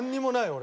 俺。